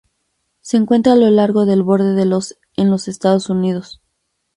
Se encuentra a lo largo del borde de los en los Estados Unidos.